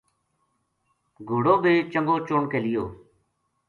گھوڑو بھی چنگو چن کے لیو